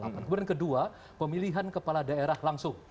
kemudian kedua pemilihan kepala daerah langsung